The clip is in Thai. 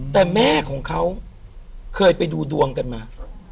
แต่แม่ของเขาเคยไปดูดวงกันมา